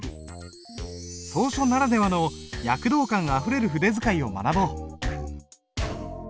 草書ならではの躍動感あふれる筆使いを学ぼう。